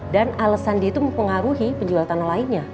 dan alasan dia itu mempengaruhi penjual tanah lainnya